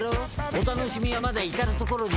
お楽しみはまだ至る所にある。